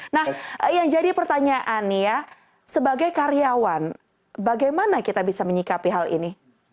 nah yang jadi pertanyaan ya sebagai karyawan bagaimana kita bisa menyikapi hal ini